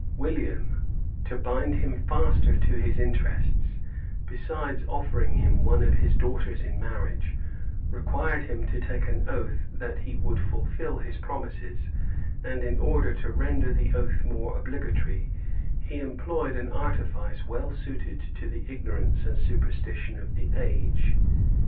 William, to bind him faster to his interests, besides offering him one of his daughters in marriage, required him to take an oath that, he would fulfil his promises; and in order to render the oath more obligatory, he employed an artifice well suited to the ignorance and superstition of the age.